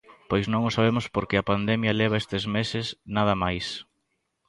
Pois non o sabemos porque a pandemia leva estes meses nada máis.